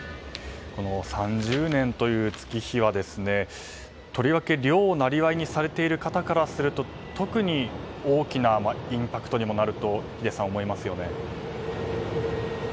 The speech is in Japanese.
この３０年という月日はとりわけ漁を生業にされている方からすると特に大きなインパクトになりますよね。